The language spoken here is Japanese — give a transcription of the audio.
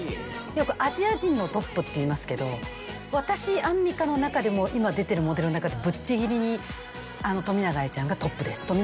よく「アジア人のトップ」っていいますけど私アンミカの中でもう今出てるモデルの中でぶっちぎりに冨永愛ちゃんがトップです。